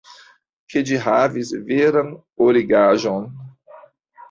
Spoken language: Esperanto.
ke ĝi havis veran origaĵon.